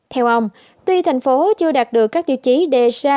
theo ông tuy thành phố chưa đạt được các tiêu chí đề ra